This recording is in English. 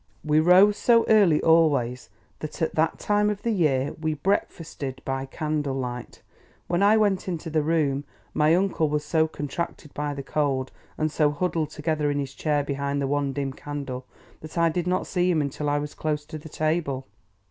We rose so early always, that at that time of the year we breakfasted by candle light. When I went into the room, my uncle was so contracted by the cold, and so huddled together in his chair behind the one dim candle, that I did not see him until I was close to the table.